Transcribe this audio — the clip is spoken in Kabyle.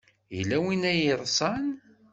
Yella win ay yeḍsan.